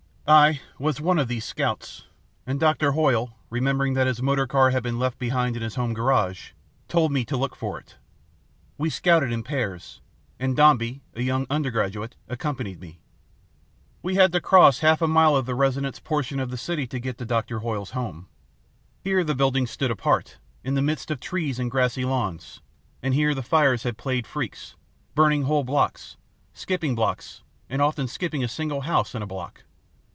"I was one of these scouts; and Doctor Hoyle, remembering that his motor car had been left behind in his home garage, told me to look for it. We scouted in pairs, and Dombey, a young undergraduate, accompanied me. We had to cross half a mile of the residence portion of the city to get to Doctor Hoyle's home. Here the buildings stood apart, in the midst of trees and grassy lawns, and here the fires had played freaks, burning whole blocks, skipping blocks and often skipping a single house in a block.